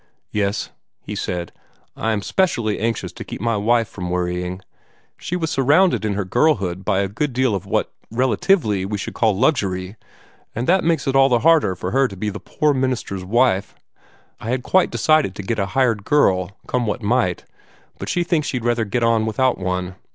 "Yes," he said; "I am specially anxious to keep my wife from worrying. She was surrounded in her girlhood by a good deal of what, relatively, we should call luxury, and that makes it all the harder for her to be a poor minister's wife. I had quite decided to get her a hired girl, come what might, but she thinks she'd rather get on without one.